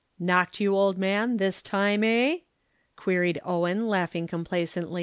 "Knocked you, old man, this time, eh?" queried Owen laughing complacently.